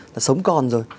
là sống còn rồi